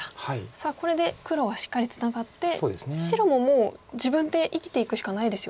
さあこれで黒はしっかりツナがって白ももう自分で生きていくしかないですよね。